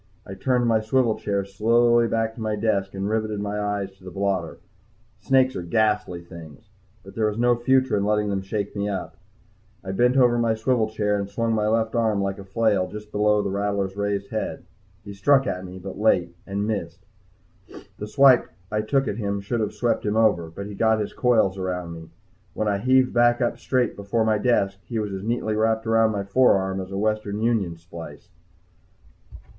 I turned my swivel chair slowly back to my desk and riveted my eyes to the blotter. Snakes are ghastly things. But there was no future in letting them shake me up. I bent over in my swivel chair and swung my left arm like a flail just below this rattler's raised head. He struck at me, but late, and missed. The swipe I took at him should have swept him over, but he got his coils around me. When I heaved back up straight before my desk, he was as neatly wrapped around my forearm as a Western Union splice.